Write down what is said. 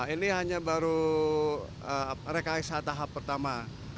ini hanya baru rekayasa tahap pertama